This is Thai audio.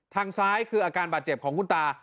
ทางซ้ายคืออาการบาดเจ็บของคุณตา